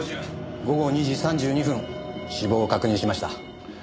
午後２時３２分死亡を確認しました。